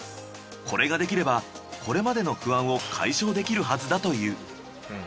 これができればこれまでの不安を解消できるはずだという。